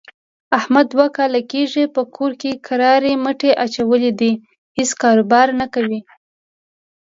احمد دوه کاله کېږي په کور کرارې مټې اچولې دي، هېڅ کاروبار نه کوي.